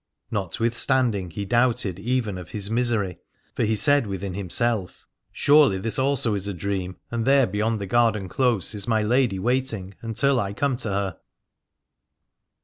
Not withstanding he doubted even of his misery : for he said within himself: Surely this also 291 Aladore is a dream, and there beyond the garden close is my lady waiting until I come to her.